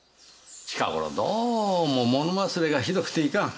近頃どうも物忘れがひどくていかん。